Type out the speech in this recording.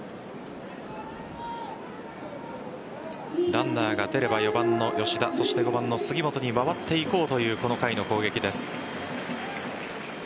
ランナーが出れば４番の吉田そして５番の杉本に回っていこうというこの回の攻撃です。